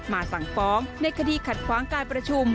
สั่งฟ้องในคดีขัดขวางการประชุม